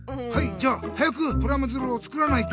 じゃあ早くプラモデルを作らないと！